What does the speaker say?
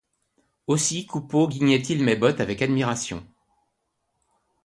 Aussi Coupeau guignait-il Mes-Bottes avec admiration.